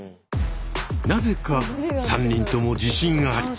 なぜか３人とも自信あり。